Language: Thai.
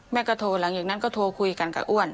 แม่ก็โทรหลังจากนั้นก็โทรคุยกันกับอ้วน